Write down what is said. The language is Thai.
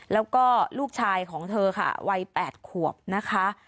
แล้วก็ลูกชายของเธอค่ะวัย๘ขวบนะคะ